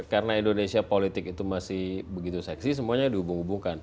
karena indonesia politik itu masih begitu seksi semuanya dihubung hubungkan